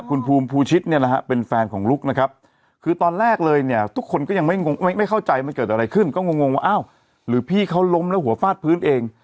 คุณภูมิภูชิตเนี่ยนะฮะเป็นแฟนของลุกนะครับคือตอนแรกเลยเนี่ยทุกคนก็ยังไม่งงไม่เข้าใจมันเกิดอะไรขึ้นก็งงว่าอ้าวหรือพี่เขาล้มแล้วหัวฟาดพื้นเอง